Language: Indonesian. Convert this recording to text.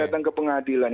yang datang ke pengadilan